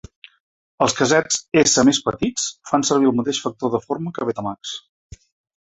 Els casetes S més petits fan servir el mateix factor de forma que Betamax.